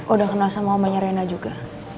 udah kenal sama mamanya reina juga